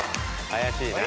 怪しいな。